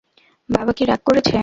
বাবা কি রাগ করেছে?